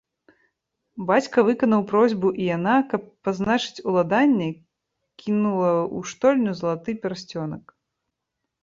Бацька выканаў просьбу і яна, каб пазначыць уладанне, кінула ў штольню залаты пярсцёнак.